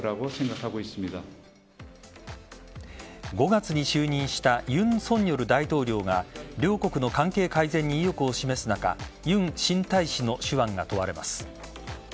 ５月に就任した尹錫悦大統領が両国の関係改善に意欲を示す中ユン新大使の手腕が問われます。